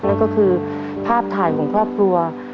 นั่นก็คือภาพถ่ายของครอบครัว